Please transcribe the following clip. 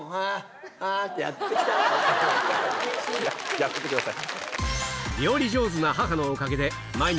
やめてください！